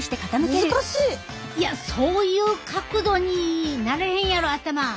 いやそういう角度になれへんやろ頭。